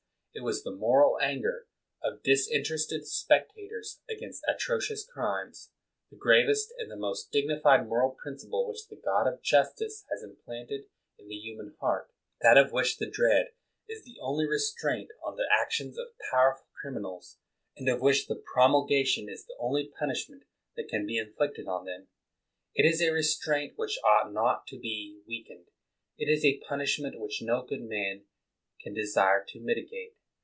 It was the moral anger of disinterested spectators against atrocious crimes, the gravest and the most dig nified moral principle which the God of jus tice has implanted in the human heart; that of which the dread is the only restraint on the actions of powerful criminals, and of which the promulgation is the only punishment than can be inflicted on them. It is a resti'aint which ought not to be weakened. It is a punishment which no good man can desire to mitigate.